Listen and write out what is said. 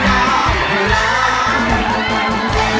ร้อง